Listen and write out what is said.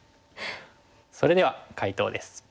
それでは解答です。